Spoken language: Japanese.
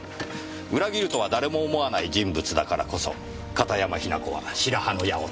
裏切るとは誰も思わない人物だからこそ片山雛子は白羽の矢を立てた。